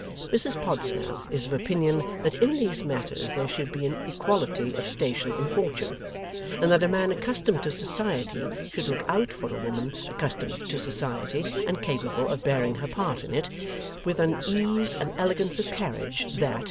Mrs Podsnap is of opinion that in these matters there should be an equality of station and fortune, and that a man accustomed to Society should look out for a woman accustomed to Society and capable of bearing her part in it with an ease and elegance of carriage that.